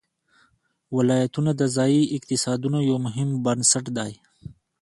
ولایتونه د ځایي اقتصادونو یو مهم بنسټ دی.